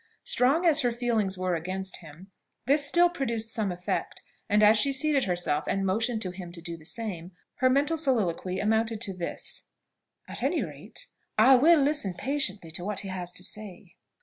Strong as her feelings were against him, this still produced some effect; and as she seated herself, and motioned to him to do the same, her mental soliloquy amounted to this: "At any rate, I will listen patiently to what he has to say."